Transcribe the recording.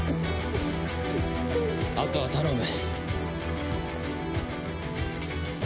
あとは頼む。